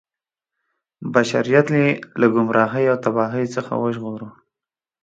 بشریت یې له ګمراهۍ او تباهۍ څخه وژغوره.